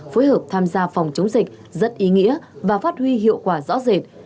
phối hợp tham gia phòng chống dịch rất ý nghĩa và phát huy hiệu quả rõ rệt